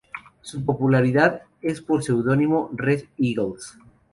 Su popularidad es por su seudónimo "Red Eagles".